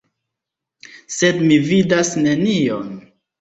Sed mi vidas nenion.